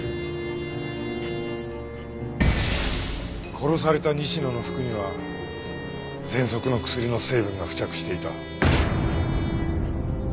殺された西野の服にはぜんそくの薬の成分が付着していた。